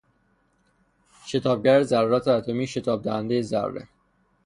شتابگر ذرات اتمی، شتابدهندهی ذره